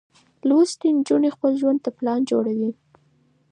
لوستې نجونې خپل ژوند ته پلان جوړوي.